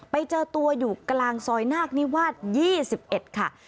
ไปเจอตัวอยู่กลางซอยนาคนิวาส๒๑ค่ะ